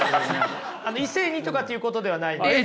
異性にとかっていうことではないんですかね。